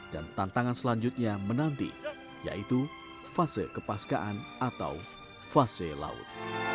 dan tantangan selanjutnya menanti yaitu fase kepaskaan atau fase laut